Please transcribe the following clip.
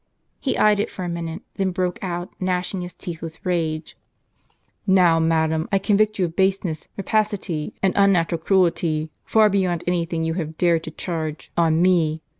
He eyed it for a minute, then broke out, gnashing his teeth with rage :" Now, madam, I convict you of baseness, rapacity, and unnatural cruelty, far beyond any thing you have dared to charge on me